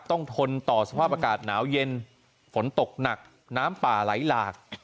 ทนต่อสภาพอากาศหนาวเย็นฝนตกหนักน้ำป่าไหลหลาก